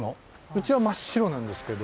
うちは真っ白なんですけど。